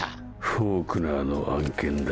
フォークナーの案件だ。